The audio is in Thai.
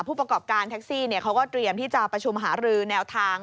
ผู้ประกอบการแท็กซี่เขาก็เตรียมที่จะประชุมหารือแนวทาง